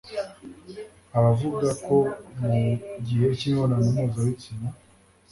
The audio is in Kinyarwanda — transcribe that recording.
abavuga ko mu gihe cy'imibonano mpuzabitsina